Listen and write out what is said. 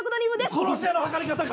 殺し屋の測り方か！